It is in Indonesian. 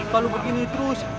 kalo begini terus